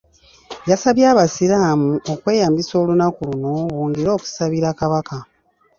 Yasabye abasiraamu okweyambisa olunaku luno bongere okusabira Kabaka.